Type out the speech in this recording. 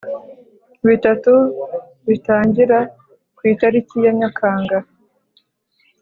Bitatu gitangira ku itariki ya nyakanga